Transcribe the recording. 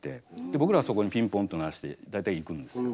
僕らはそこにピンポンと鳴らして大体行くんですよ。